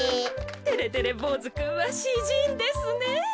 てれてれぼうずくんはしじんですねぇ。